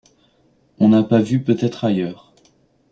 on n’a pas vue peut-être ailleurs.